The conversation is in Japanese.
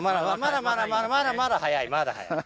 まだまだまだまだ早いまだ早い。